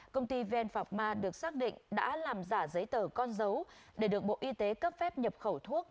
công ty venpharma được xác định đã làm giả giấy tờ con dấu để được bộ y tế cấp phép nhập khẩu thuốc